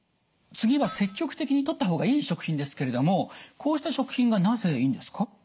次は積極的にとった方がいい食品ですけれどもこうした食品がなぜいいんですか？